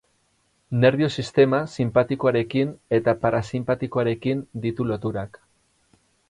Nerbio-sistema sinpatikoarekin eta parasinpatikoarekin ditu loturak.